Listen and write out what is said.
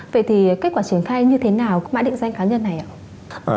vậy thì kết quả triển khai như thế nào mã định danh cá nhân này ạ